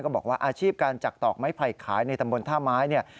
บอกว่าอาชีพการจักตอกไม้ไผ่ขายในตำบลท่าไม้เนี่ย